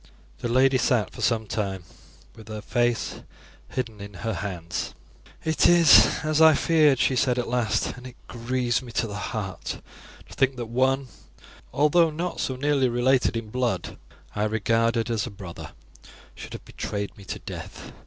The lady sat for some time with her face hidden in her hands. "It is as I feared," she said at last, "and it grieves me to the heart to think that one who, although not so nearly related in blood, I regarded as a brother, should have betrayed me to death.